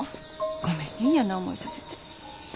ごめんね嫌な思いさせて。